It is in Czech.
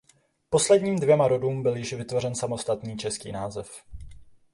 Posledním dvěma rodům byl již vytvořen samostatný český název.